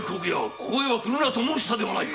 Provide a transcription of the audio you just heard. ここへは来るなと申したではないか！